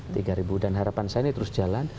tiga ribu dan harapan saya ini terus jalan